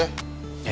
ya ikhlas lah pak